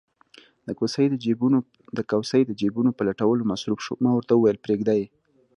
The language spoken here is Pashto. د کوسۍ د جېبونو په لټولو مصروف شو، ما ورته وویل: پرېږده یې.